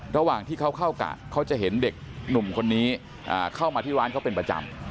ระหว่างที่เขาเข้ากะเขาจะเห็นเด็กหนุ่มคนนี้เข้ามาที่ร้านเขาเป็นประจำ